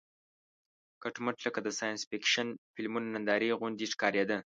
کټ مټ لکه د ساینس فېکشن فلمونو نندارې غوندې ښکارېده.